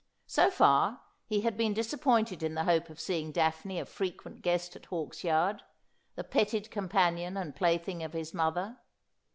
So far, he had been disappointed in the hope of seeing Daphne a frequent guest at Hawksyard, the petted companion and plaything of his mother.